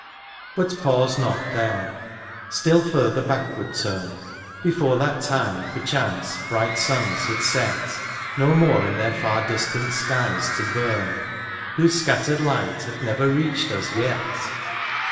But pause not there ; still further backward turn ; Before that time perchance bright suns had set^ No more in their far distant skies to bum. Whose scattered light hath never reached us yet